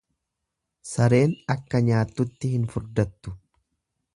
Sareen akka nyaattutti hin furdattu.